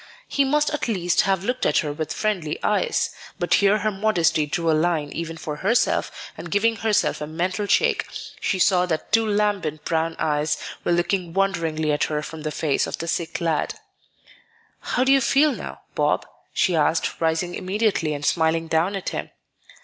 He must at least have looked at her with friendly eyes; but here her modesty drew a line even for herself, and giving herself a mental shake, she saw that two lambent brown eyes were looking wonderingly at her from the face of the sick lad. "How do you feel now, Bob?" she asked, rising immediately and smiling down at him.